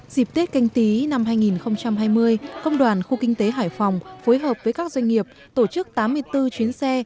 dịp tết canh tí năm hai nghìn hai mươi công đoàn khu kinh tế hải phòng phối hợp với các doanh nghiệp tổ chức tám mươi bốn chuyến xe